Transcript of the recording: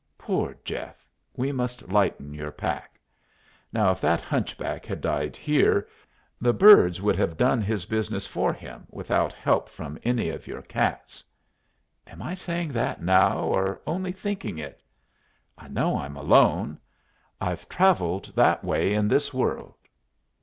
"Poor Jeff! We must lighten your pack. Now if that hunchback had died here, the birds would have done his business for him without help from any of your cats. Am I saying that, now, or only thinking it? I know I'm alone. I've travelled that way in this world.